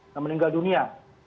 yang meninggal dunia